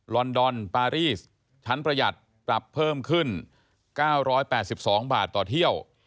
อนดอนปารีสชั้นประหยัดปรับเพิ่มขึ้น๙๘๒บาทต่อเที่ยว